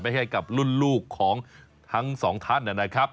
ไปให้กับหลุ้นลูกของทั้งสองท่าน